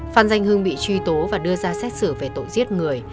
phan danh hưng bị truy tố và đưa ra xét xử về tội giết người